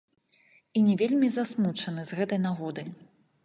І не вельмі засмучаны з гэтай нагоды.